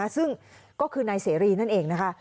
ซึ่งก็คือนายเสรีนั่นเองนะคะ